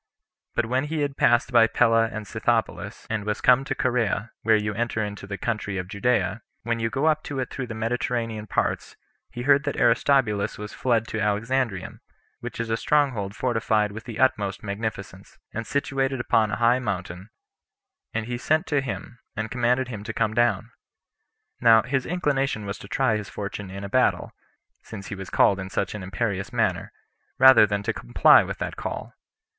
But when he had passed by Pella and Scythopolis, and was come to Corea, where you enter into the country of Judea, when you go up to it through the Mediterranean parts, he heard that Aristobulus was fled to Alexandrium, which is a strong hold fortified with the utmost magnificence, and situated upon a high mountain; and he sent to him, and commanded him to come down. Now his inclination was to try his fortune in a battle, since he was called in such an imperious manner, rather than to comply with that call.